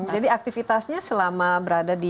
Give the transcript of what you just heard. jadi aktivitasnya selama berada di